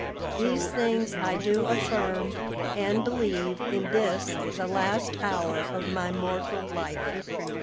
These things I do affirm and believe in this the last hour of my mortal life."